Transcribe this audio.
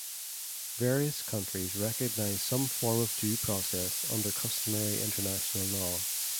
Various countries recognize some form of due process under customary international law.